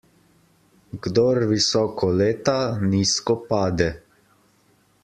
Kdor visoko leta, nizko pade.